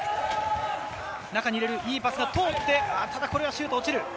中に入れるいいパスが通って、これはシュート落ちる。